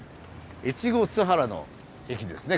越後須原の駅ですね